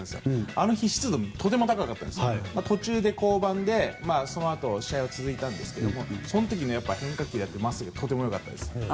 あの日は湿度がとても高くて途中で降板で、そのあと試合は続いたんですけどその時は変化球とかまっすぐがとても良かったです。